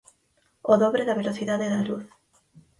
O dobre da velocidade da luz.